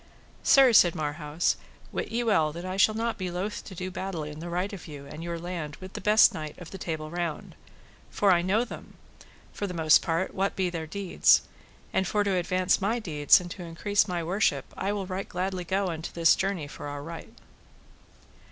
Sir, said Marhaus, wit ye well that I shall not be loath to do battle in the right of you and your land with the best knight of the Table Round; for I know them, for the most part, what be their deeds; and for to advance my deeds and to increase my worship I will right gladly go unto this journey for our right.